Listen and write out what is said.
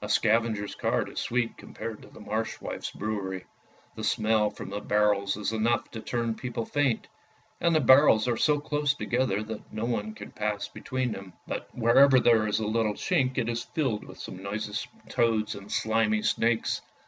A scavenger's cart is sweet compared to the Marsh wife's brewery. The smell from the barrels is enough to turn people faint, and the barrels are so close together that no one can pass between them, but wherever there is a little chink it is filled up with noisome toads THE GIRL WHO TROD ON A LOAF 121 and slimy snakes.